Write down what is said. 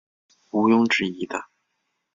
无庸置疑的